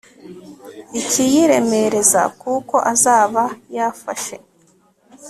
ikiyiremereza kuko azaba yafashe